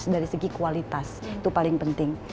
dari segi kualitas itu paling penting